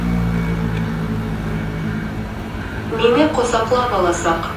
Мине ҡосаҡлап аласаҡ!